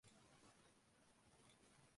鹿児島県姶良市